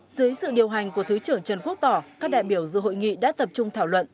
dưới sự điều hành của thứ trưởng trần quốc tỏ các đại biểu dự hội nghị đã tập trung thảo luận